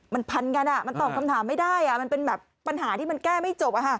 มันพันกันมันตอบคำถามไม่ได้มันเป็นแบบปัญหาที่มันแก้ไม่จบ